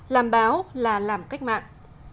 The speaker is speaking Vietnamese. làm báo là làm cách mạng